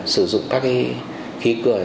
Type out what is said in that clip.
sử dụng các khí cười